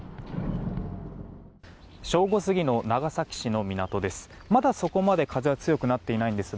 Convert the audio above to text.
正午過ぎの長崎市の港です。